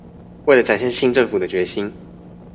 為了展現新政府的決心